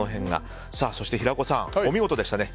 そして平子さん、お見事でしたね。